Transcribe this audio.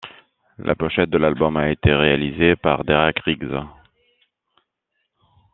La pochette de l'album a été réalisée par Derek Riggs.